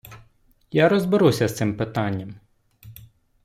Я розберуся з цим питанням.